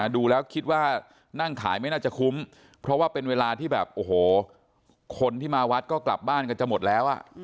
ดูแล้วคิดว่านั่งขายไม่น่าจะคุ้มเพราะว่าเป็นเวลาที่แบบโอ้โหคนที่มาวัดก็กลับบ้านกันจะหมดแล้ว